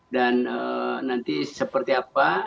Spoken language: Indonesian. dan nanti seperti apa